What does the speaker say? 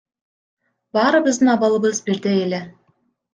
Баарыбыздын абалыбыз бирдей эле.